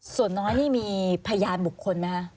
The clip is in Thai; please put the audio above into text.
ส่วนน้อยนี่มีพยานบุคคลไหมคะ